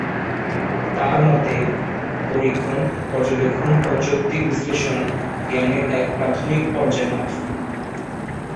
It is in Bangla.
তার মতে, পরীক্ষণ, পর্যবেক্ষণ ও যৌক্তিক বিশ্লেষণ জ্ঞানের এক প্রাথমিক পর্যায় মাত্র।